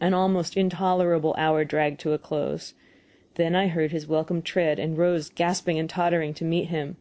An almost intolerable hour dragged to a close; then I heard his welcome tread, and rose gasping and tottered to meet him.